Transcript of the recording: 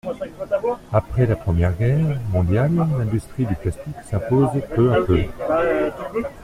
Après la Première Guerre mondiale, l’industrie du plastique s’impose peu à peu.